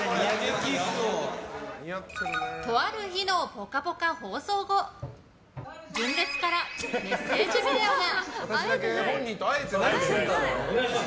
とある日の「ぽかぽか」放送後純烈からメッセージビデオが。